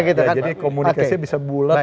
jadi komunikasi bisa bulat